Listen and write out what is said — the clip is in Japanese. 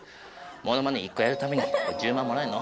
ものまね１個やるたびに１０万もらえんの？